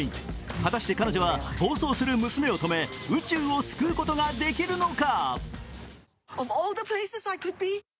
果たして彼女は暴走する娘を止め宇宙を救うことができるのか。